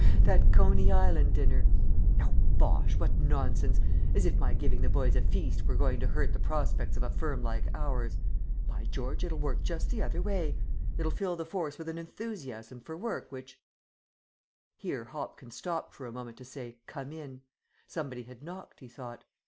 That Coney Island dinner. Oh, bosh! what nonsense! as if my giving the boys a feast were going to hurt the prospects of a firm like ours. By George, it'll work just the other way. It'll fill the force with an enthusiasm for work which " Here Hopkins stopped for a moment to say, "Come in!" Somebody had knocked, he thought.